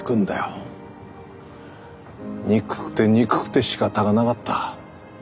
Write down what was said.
憎くて憎くてしかたがなかった。